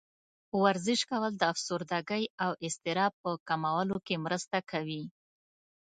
ورزش کول د افسردګۍ او اضطراب په کمولو کې مرسته کوي.